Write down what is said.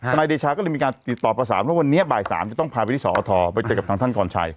นายเดชาก็เลยมีการติดต่อประสานว่าวันนี้บ่าย๓จะต้องพาไปที่สอทไปเจอกับทางท่านกรชัย